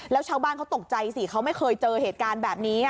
แล้วชาวบ้านเขาตกใจสิเขาไม่เคยเจอเหตุการณ์แบบนี้